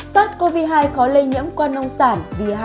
sars cov hai có lây nhiễm qua nông sản v hai